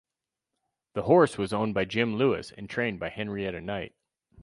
The horse was owned by Jim Lewis and trained by Henrietta Knight.